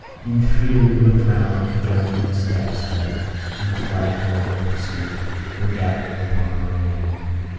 In fear we looked round for the unknown steps that, in flight or in pursuit, were gathering upon our own.